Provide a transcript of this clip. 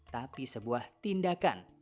tapi sebuah tindakan